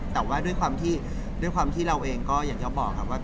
แต่ว่าด้วยความที่เราเองก็อย่างเยาะบอกครับว่า